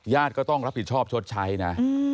ก็ต้องรับผิดชอบชดใช้นะ